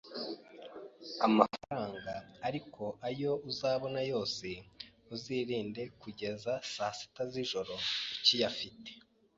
amafaranga ariko ayo uzabona yose uzirinde kugeza saa sita z’ijoro ukiyafite